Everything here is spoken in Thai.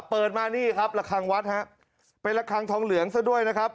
เปิดมานี่ครับระคังวัดฮะเป็นระคังทองเหลืองซะด้วยนะครับ